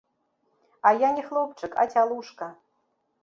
А я не хлопчык, а цялушка.